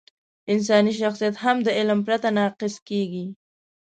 انساني شخصیت هم له علم پرته ناقص کېږي.